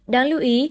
đáng lưu ý